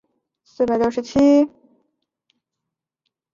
地方影院也下架了电影的海报。